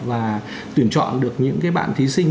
và tuyển chọn được những cái bạn thí sinh